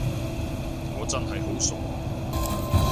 我真係好傻